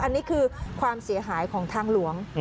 อันนี้คือความเสียหายของทางหลวง